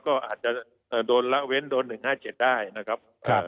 ก็อาจจะโดนละเว้นโดน๑๕๗ได้นะครับ